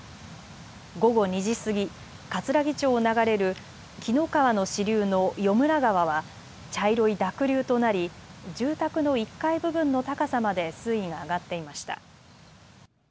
午後２時過ぎかつらぎ町を流れる紀ノ川の支流の四邑川は茶色い濁流となり住宅の１階部分の高さまで水位が上がっていました。